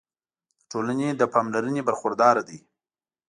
د ټولنې له پاملرنې برخورداره دي.